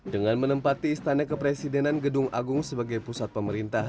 dengan menempati istana kepresidenan gedung agung sebagai pusat pemerintah